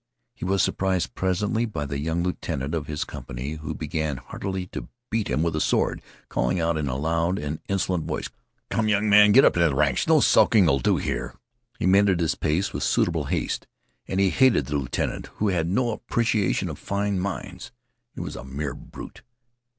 He was surprised presently by the young lieutenant of his company, who began heartily to beat him with a sword, calling out in a loud and insolent voice: "Come, young man, get up into ranks there. No skulking'll do here." He mended his pace with suitable haste. And he hated the lieutenant, who had no appreciation of fine minds. He was a mere brute.